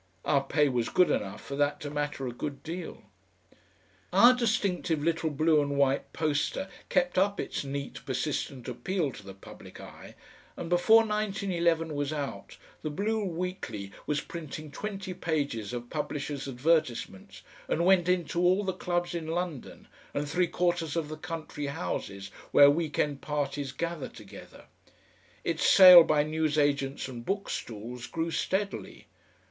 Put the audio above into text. Our pay was good enough for that to matter a good deal.... Our distinctive little blue and white poster kept up its neat persistent appeal to the public eye, and before 1911 was out, the BLUE WEEKLY was printing twenty pages of publishers' advertisements, and went into all the clubs in London and three quarters of the country houses where week end parties gather together. Its sale by newsagents and bookstalls grew steadily.